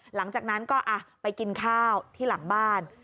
หลังจากนั้นก็ไปกินข้าวที่หลังบ้าน